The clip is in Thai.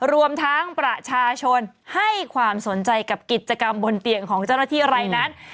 รวมทั้งประชาชนให้ความสนใจกับกิจกรรมบนเตียงของเจ้าหน้าที่อะไรนั้น